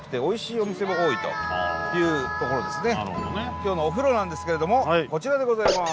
今日のお風呂なんですけれどもこちらでございます。